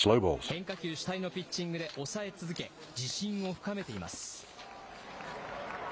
変化球主体のピッチングで抑え続け、自信を深めています。